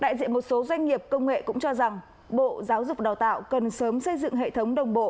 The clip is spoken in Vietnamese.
đại diện một số doanh nghiệp công nghệ cũng cho rằng bộ giáo dục đào tạo cần sớm xây dựng hệ thống đồng bộ